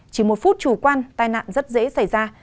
chỉ một phút chủ quan tai nạn rất dễ xảy ra